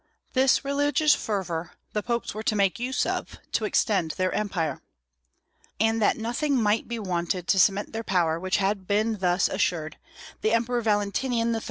This religious fervor the popes were to make use of, to extend their empire. And that nothing might be wanted to cement their power which had been thus assured, the Emperor Valentinian III.